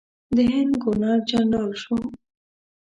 د هند ګورنر جنرال شوم.